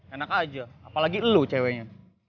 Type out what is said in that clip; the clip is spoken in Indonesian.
enak aja apalagi lu ceweknya